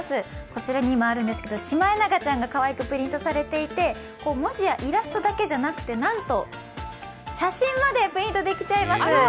こちらに今、あるんですけどシマエナガちゃんがかわいくプリントされていて、文字やイラストだけじゃなくて、なんと写真までプリントできちゃいます。